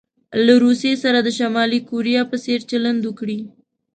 له روسيې سره د شمالي کوریا په څیر چلند وکړي.